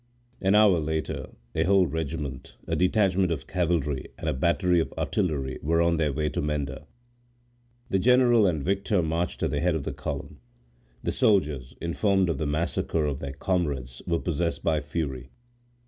An hour later a whole regiment, a detachment of cavalry, and a battery of artillery were on their way to Menda. The general and Victor marched at the head of the column. The soldiers, informed of the massacre of their comrades, were possessed by fury.